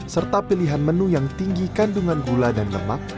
serta pilihan menu yang tinggi kandungan gula dan lemak